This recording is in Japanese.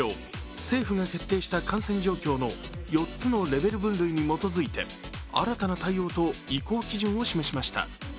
政府が決定した感染状況の４つのレベル分類に基づいて新たな対応と移行基準を示しました。